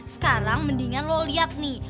sekarang mendingan lo lihat nih